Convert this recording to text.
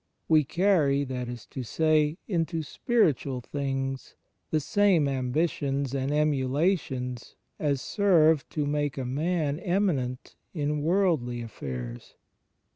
We carry, that is to say, into spiritual things the same ambitions and emulations as serve to make a man eminent in worldly affairs.